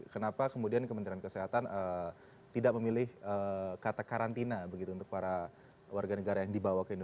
jadi zaida mungkin